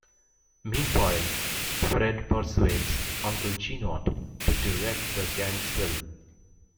Meanwhile, Fred persuades Uncle Jeannot to direct the gang's film.